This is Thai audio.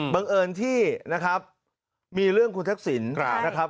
บังเอิญที่นะครับมีเรื่องคุณทักษิณนะครับ